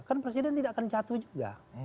kan presiden tidak akan jatuh juga